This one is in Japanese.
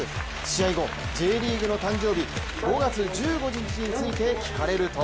試合後、Ｊリーグの誕生日、５月１５日について、聞かれると